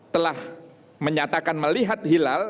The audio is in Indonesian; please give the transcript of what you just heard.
telah menyatakan melihat hilal